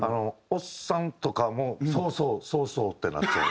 おっさんとかも「そうそうそうそう」ってなっちゃう。